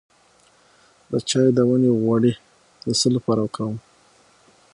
د چای د ونې غوړي د څه لپاره وکاروم؟